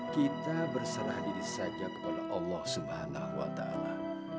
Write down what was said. kita bersalah diri saja kepada allah subhanahu wa ta'ala